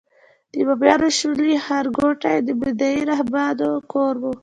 د بامیانو شاولې ښارګوټي د بودايي راهبانو کور و